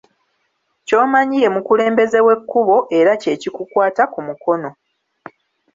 Ky'omanyi ye mukulembeze w'ekkubo era kye kikukwata ku mukono.